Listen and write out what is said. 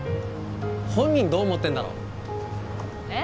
本人どう思ってんだろえっ？